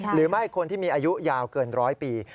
หรือไม่คนที่มีอายุยาวเกินร้อยปี